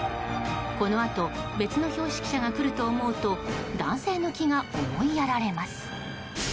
このあと別の標識車が来ると思うと男性の気が思いやられます。